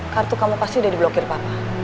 kartu kamu pasti sudah diblokir papa